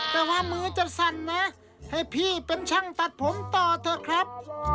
แต่ว่ามือจะสั่นนะให้พี่เป็นช่างตัดผมต่อเถอะครับ